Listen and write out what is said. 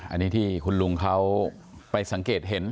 อันนี้ที่คุณลุงเขาไปสังเกตเห็น